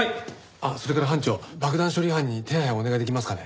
あっそれから班長爆弾処理班に手配をお願いできますかね？